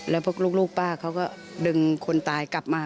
แล้วพวกลูกป้าเขาก็ดึงคนตายกลับมา